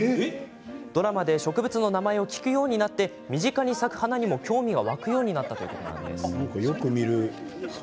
ドラマで植物の名前を聞くようになり身近に咲く花にも興味が湧くようになったそうです。